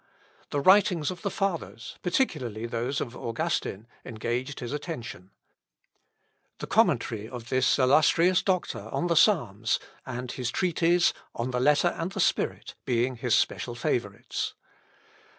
The writings of the Fathers, particularly those of Augustine, engaged his attention; the Commentary of this illustrious doctor on the Psalms, and his treatise "On the Letter and the Spirit," being his special favourites.